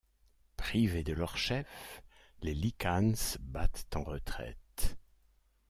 Privés de leur chef, les Lycans battent en retraite.